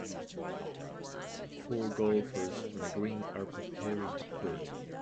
Four golfers on a green are preparing to putt.